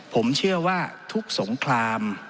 ผมเชื่อว่าทุกสงคราม